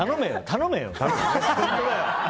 頼めよ！